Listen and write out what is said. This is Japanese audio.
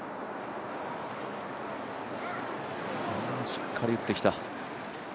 しっかり打ってきた。